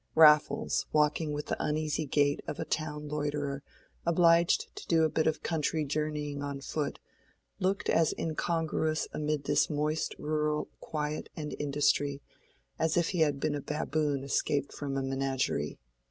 Raffles, walking with the uneasy gait of a town loiterer obliged to do a bit of country journeying on foot, looked as incongruous amid this moist rural quiet and industry as if he had been a baboon escaped from a menagerie.